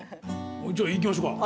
じゃあいきましょうか。